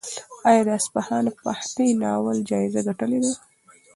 ایا د اصفهان فاتح ناول جایزه ګټلې ده؟